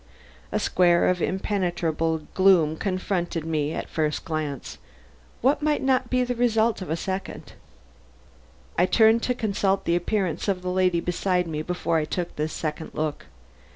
A square of impenetrable gloom confronted me at the first glance what might not be the result of a second? I turned to consult the appearance of the lady beside me before I took this second look.